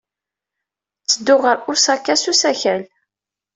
Ttedduɣ ɣer Osaka s usakal.